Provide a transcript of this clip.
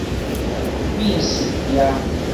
覕翼蟻